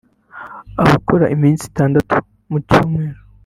bagakora iminsi itandatu mu cyumweru